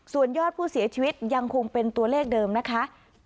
ส่วนยอดผู้เสียชีวิตยังคงเป็นตัวเลขเดิมนะคะ